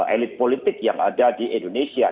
elit politik yang ada di indonesia